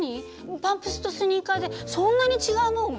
パンプスとスニーカーでそんなに違うもん？